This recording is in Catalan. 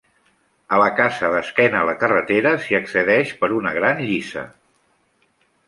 A la casa d'esquena a la carretera s'hi accedeix per una gran lliça.